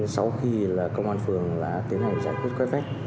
sau khi công an phường tiến hành giải quyết quay phép